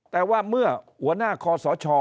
แต่ว่าเมื่อหัวหน้าคอสช